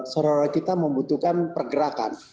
saudara kita membutuhkan pergerakan